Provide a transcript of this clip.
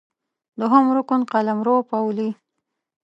دوهم رکن قلمرو ، پولې